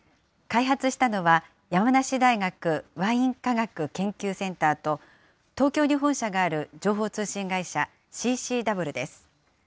開発したのは、山梨大学ワイン科学研究センターと、東京に本社がある情報通信会社、ＣＣＷです。